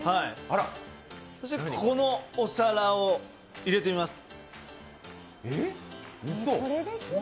そしてこのお皿を入れてみます。